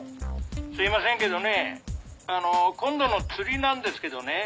すみませんけどねあの今度の釣りなんですけどね